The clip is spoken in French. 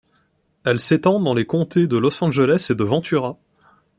Elle s'étend dans les comtés de Los Angeles et de Ventura.